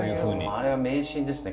あれは迷信ですね